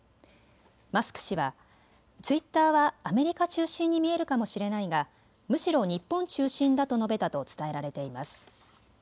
マスク氏はツイッターはアメリカ中心に見えるかもしれないが、むしろ日本中心だと述べたと伝えられています。